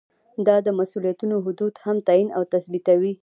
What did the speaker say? دا د مسؤلیتونو حدود هم تعین او تثبیتوي.